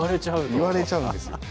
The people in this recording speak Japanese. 言われちゃうんですよ。